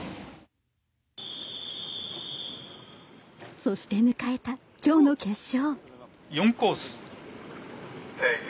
そして迎えたきょうの決勝。